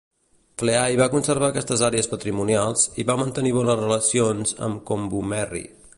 Fleay va conservar aquestes àrees patrimonials i va mantenir bones relacions amb Kombumerri.